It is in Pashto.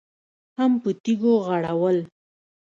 هم په تيږو غړول.